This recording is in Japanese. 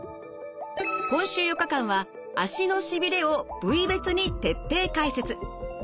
今週４日間は足のしびれを部位別に徹底解説。